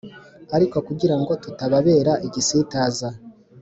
Ariko kugira ngo tutababera igisitaza